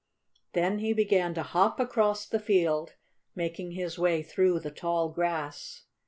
Then he began to hop across the field, making his way through the tall grass.